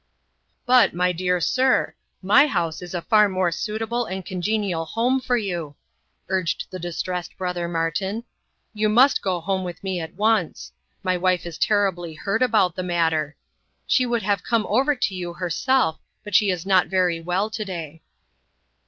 "But my dear sir! my house is a far more suitable and congenial home for you," urged the distressed brother Martin. "You must go home with me at once. My wife is terribly hurt about the matter. She would have come over for you herself, but she is not very well to day."